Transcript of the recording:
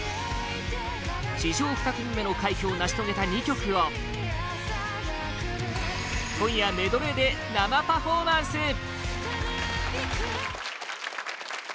史上２組目の快挙を成し遂げた２曲を今夜メドレーで生パフォーマンス！